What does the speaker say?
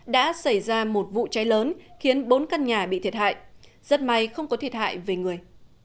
đã xảy ra một vụ cháy lớn khiến bốn căn nhà bị thiệt hại rất may không có thiệt hại về người